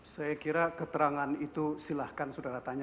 saya kira keterangan itu silahkan saudara tanya